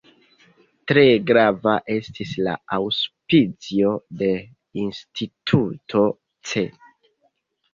Tre grava estis la aŭspicio de Instituto Ce.